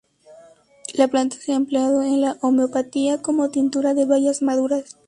La planta se ha empleado en la homeopatía como tintura de bayas maduras.